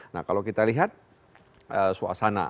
nah kalau kita lihat suasana